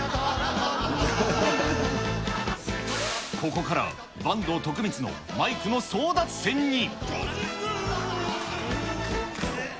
ここから坂東・徳光のマイクの争奪戦に。